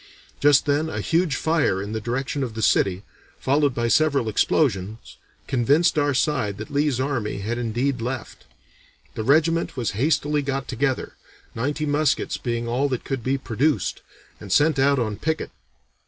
Just then a huge fire in the direction of the city, followed by several explosions, convinced our side that Lee's army had indeed left. The regiment was hastily got together, ninety muskets being all that could be produced, and sent out on picket.